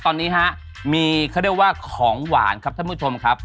ตอนนี้ฮะมีเขาเรียกว่าของหวานครับท่านผู้ชมครับ